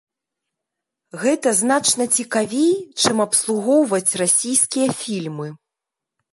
Гэта значна цікавей, чым абслугоўваць расійскія фільмы.